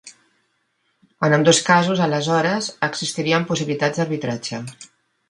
En ambdós casos aleshores existirien possibilitats d'arbitratge.